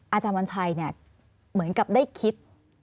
อาจารย์วันชัยเหมือนกับได้คิด